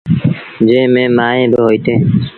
جݩهݩ ميݩ مائيٚݩ با هوئيٚتيٚݩ۔